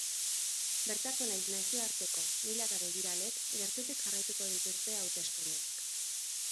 Bertako nahiz nazioarteko milaka begiralek gertutik jarraituko dituzte hauteskundeak.